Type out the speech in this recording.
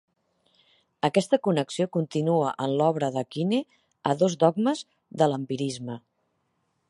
Aquesta connexió continua en l'obra de Quine a "Dos dogmes de l'empirisme".